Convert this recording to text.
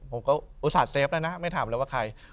อุตส่าห์เฟฟแล้วนะไม่ถามเลยว่าใคร